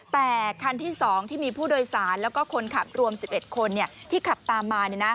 แต่คันที่๒ที่มีผู้โดยสารแล้วก็คนขับรวม๑๑คนที่ขับตามมา